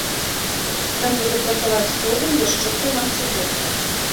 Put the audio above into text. Ён будзе працаваць з клубам яшчэ прынамсі год.